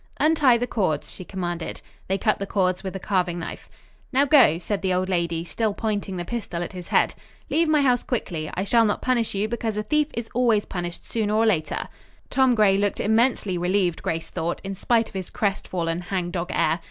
"Untie the cords," she commanded. They cut the cords with a carving knife. "Now, go!" said the old lady, still pointing the pistol at his head. "Leave my house quickly. I shall not punish you, because a thief is always punished sooner or later." Tom Gray looked immensely relieved, Grace thought, in spite of his crestfallen, hangdog air.